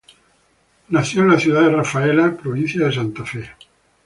Nació en la ciudad de Rafaela, provincia de Santa Fe.